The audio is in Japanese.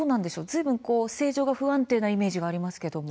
随分政情が不安定なイメージがありますけども。